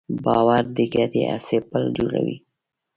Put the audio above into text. باور د ګډې هڅې پُل جوړوي.